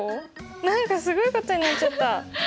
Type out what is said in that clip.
何かすごいことになっちゃった！